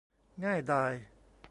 ง่ายดาย